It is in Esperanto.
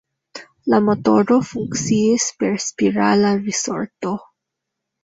La motoro funkciis per spirala risorto.